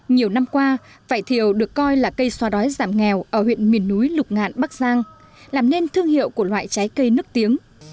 nhiều năm qua vải thiều được coi là cây xoa đói giảm nghèo ở huyện miền núi lục ngạn bắc giang làm nên thương hiệu của loại trái cây nước tiếng